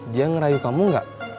dia ngerayu kamu enggak